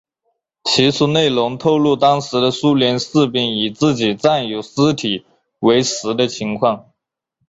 其书内容透露当时的苏联士兵以自己战友尸体为食的情况。